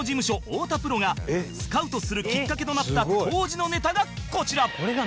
太田プロがスカウトするきっかけとなった当時のネタがこちら